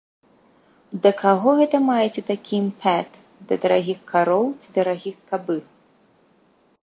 Да каго гэта маеце такі імпэт, да дарагіх кароў ці дарагіх кабыл?